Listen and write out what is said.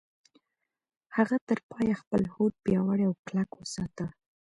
هغه تر پايه خپل هوډ پياوړی او کلک وساته.